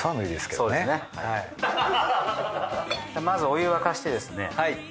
まずお湯沸かしてですね